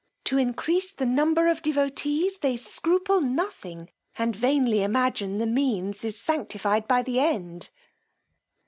To increase the number of devotees they scruple nothing, and vainly imagine the means is sanctified by the end.